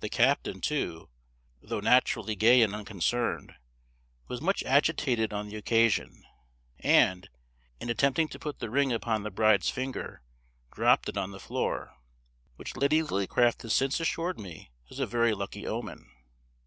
The captain, too, though naturally gay and unconcerned, was much agitated on the occasion, and, in attempting to put the ring upon the bride's finger, dropped it on the floor; which Lady Lillycraft has since assured me is a very lucky omen.